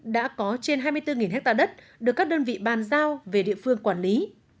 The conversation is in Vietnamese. đã có trên hai mươi bốn ha đất được các đơn vị bàn giao về địa phương quản lý